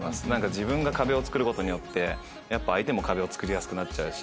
自分が壁をつくることによってやっぱ相手も壁をつくりやすくなっちゃうし。